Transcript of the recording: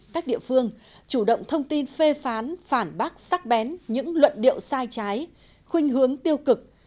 các địa phương chủ động thông tin phê phán phản bác sắc bén những luận điệu sai trái khuyên hướng tiêu cực